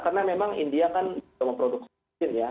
karena memang india kan memproduksi vaksin ya